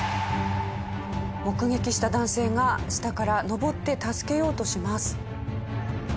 目撃した男性が下から登って助けようとします。